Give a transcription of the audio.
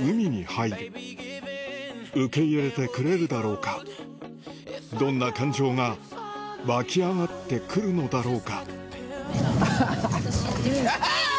海に入る受け入れてくれるだろうかどんな感情が湧き上がってくるのだろうかアハハ。